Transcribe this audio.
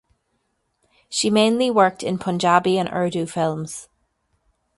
She mainly worked in Punjabi and Urdu films.